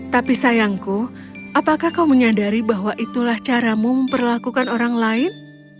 tapi sayangku apakah kau menyadari bahwa itulah caramu memperlakukan orang lain